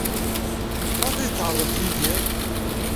Maɣef ay d-tɛerḍemt Yidir?